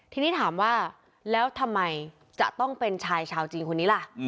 ทีนี้ถามว่าแล้วทำไมจะต้องเป็นชายชาวจีนคนนี้ล่ะ